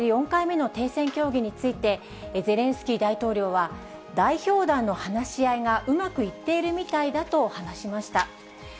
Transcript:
４回目の停戦協議について、ゼレンスキー大統領は、代表団の話し合いがうまくいっているみたいだと話しました。